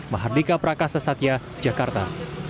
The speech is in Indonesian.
mahardika prakasa satya jakarta